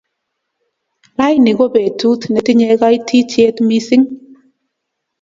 raini ko petut netinye kaititiet missing